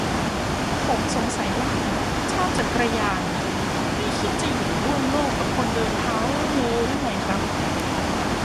ผมสงสัยว่าชาวจักรยานนี่ไม่คิดจะอยู่ร่วมโลกกับคนเดินเท้าเลยหรือไงครับ